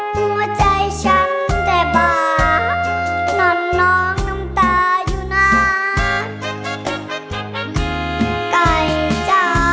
หัวใจฉันแต่บานอนน้องน้ำตาอยู่นะจ๊ะ